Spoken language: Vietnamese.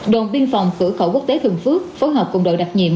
đồng biên phòng sử khẩu quốc tế thường phước phối hợp cùng đội đặc nhiệm